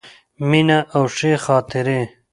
مینه او ښې خاطرې.